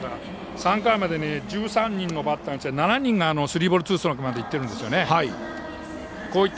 ３回までに１３人のバッターがきて７人がスリーボールツーストライクまでいっているんですよね。